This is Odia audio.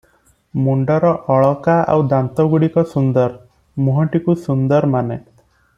ମୁଣ୍ଡର ଅଳକା ଆଉ ଦାନ୍ତଗୁଡିକ ସୁନ୍ଦର, ମୁହଁଟିକୁ ସୁନ୍ଦର ମାନେ ।